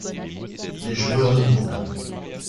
les joueurs de boules.